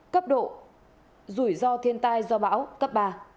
cấp độ rủi ro thiên tai do bão cấp ba